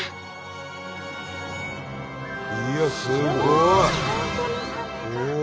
いやすごい！